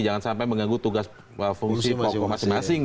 jangan sampai mengganggu tugas fungsi masing masing